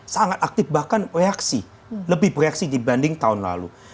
sangat aktif bahkan reaksi lebih bereaksi dibanding tahun lalu